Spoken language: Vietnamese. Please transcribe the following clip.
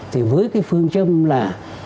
thì với cái phương châm là